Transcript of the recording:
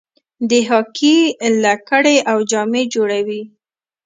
د هاکي لکړې او جامې جوړوي.